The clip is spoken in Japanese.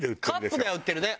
カップでは売ってるね。